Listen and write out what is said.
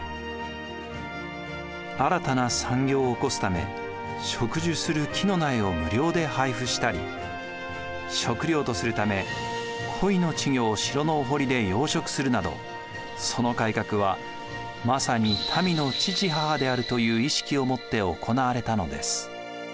新たな産業を興すため植樹する木の苗を無料で配布したり食料とするため鯉の稚魚を城のお堀で養殖するなどその改革はまさに民の父母であるという意識を持って行われたのです。